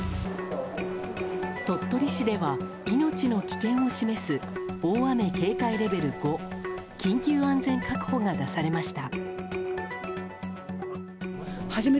鳥取市では命の危険を示す大雨警戒レベル５緊急安全確保が出されました。